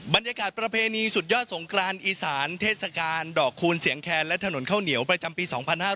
ประเพณีสุดยอดสงกรานอีสานเทศกาลดอกคูณเสียงแคนและถนนข้าวเหนียวประจำปี๒๕๕๙